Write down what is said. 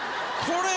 これ。